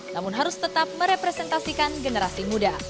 namun harus tetap merepresentasikan generasi muda